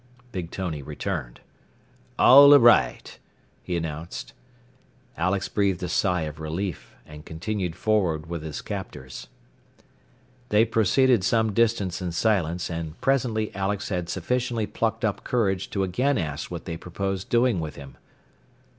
Big Tony returned. "All aright," he announced. Alex breathed a sigh of relief, and continued forward with his captors. They proceeded some distance in silence, and presently Alex had sufficiently plucked up courage to again ask what they proposed doing with him.